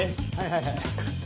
はいはい。